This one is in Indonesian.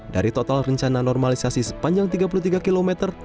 dari total rencana normalisasi sepanjang tiga puluh tiga km